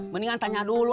mendingan tanya dulu